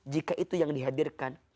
jika itu yang dihadirkan